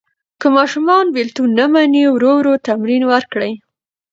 که ماشوم بېلتون نه مني، ورو ورو تمرین ورکړئ.